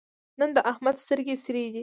نن د احمد سترګې سرې دي.